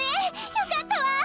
よかったわ！